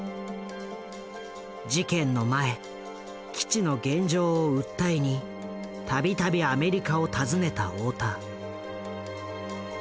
事件の前基地の現状を訴えに度々アメリカを訪ねた大田。